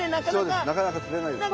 なかなか釣れないですね。